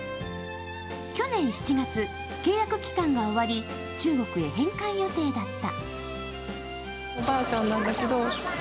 去年７月、契約期間が終わり、中国へ返還予定だった。